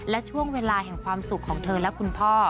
และช่วงเวลาแห่งความสุขของเธอและคุณพ่อ